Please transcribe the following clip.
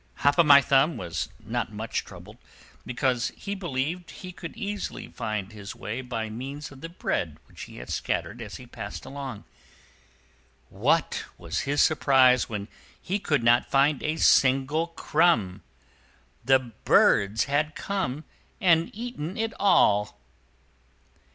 Hop o' My Thumb was not much troubled, because he believed he could easily find his way by means of the bread which he had scattered as he passed along. What was his surprise when he could not find a single crumb: the birds had come and eaten it all.